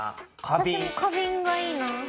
私も花びんがいいな。